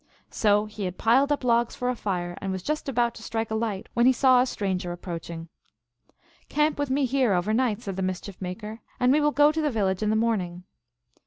So he had piled up logs for a fire, and was just about to strike a light, when he saw a stranger approaching. " Camp with me here over night," said the Mischief Maker, " and we will go to the village in the morning."